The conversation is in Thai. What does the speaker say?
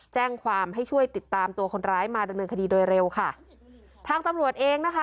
แจ้งความให้ช่วยติดตามตัวคนร้ายมาดำเนินคดีโดยเร็วค่ะทางตำรวจเองนะคะ